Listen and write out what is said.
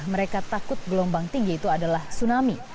mereka takut gelombang tinggi itu adalah tsunami